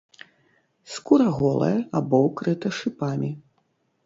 Скура голая або ўкрыта шыпамі.